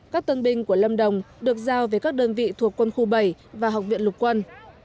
các tân binh của lâm đồng được giao về các đơn vị thuộc quân khu bảy và học viện lục quân